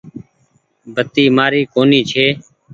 بتي مآري ڪونيٚ ڇي۔